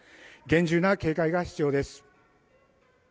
厳重な警戒が必要です。